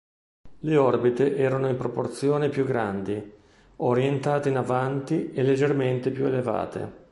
Le orbite erano in proporzione più grandi, orientate in avanti e leggermente più elevate.